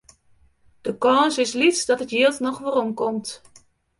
De kâns is lyts dat it jild noch werom komt.